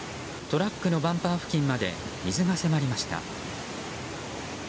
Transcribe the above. トラックのバンパー付近まで水が迫りました。